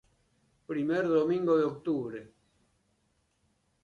Primer domingo de octubre.